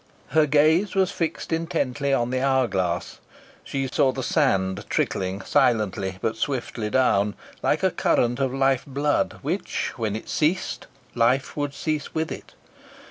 Her gaze was fixed intently on the hourglass. She saw the sand trickling silently but swiftly down, like a current of life blood, which, when it ceased, life would cease with it.